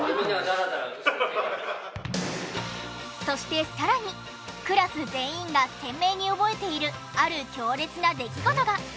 そしてさらにクラス全員が鮮明に覚えているある強烈な出来事が。